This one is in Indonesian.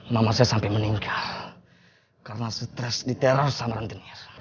mama saya sampai meninggal karena stres di teror sama rantenir